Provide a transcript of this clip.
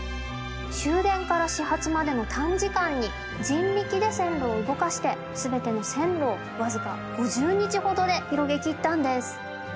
終電から始発までの短時間に人力で線路を動かして全ての線路を僅か５０日ほどで広げきったんです。